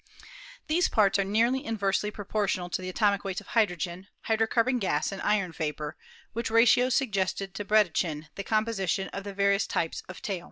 These parts are nearly inversely proportional to the atomic weights of hydrogen, hydrocarbon gas and iron vapor, which ratio suggested to Bredichin the composition of the various types of tail.